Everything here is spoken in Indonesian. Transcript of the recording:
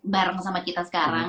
bareng sama kita sekarang